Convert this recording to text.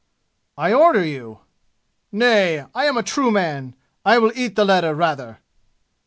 "I order you!" "Nay! I am a true man! I will eat the letter rather!"